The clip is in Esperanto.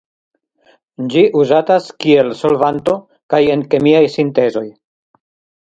Ĝi uzatas kiel solvanto kaj en kemiaj sintezoj.